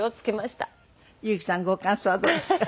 憂樹さんご感想はどうですか？